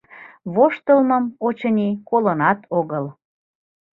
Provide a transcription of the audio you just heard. Воштылмым, очыни, колынат огыл.